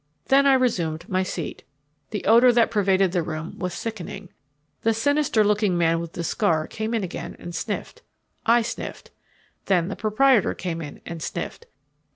Then I resumed my seat. The odor that pervaded the room was sickening. The sinister looking man with the scar came in again and sniffed. I sniffed. Then the proprietor came in and sniffed.